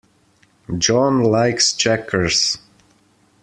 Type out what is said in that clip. John likes checkers.